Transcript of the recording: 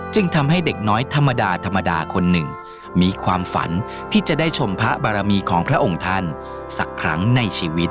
ทำให้เด็กน้อยธรรมดาธรรมดาคนหนึ่งมีความฝันที่จะได้ชมพระบารมีของพระองค์ท่านสักครั้งในชีวิต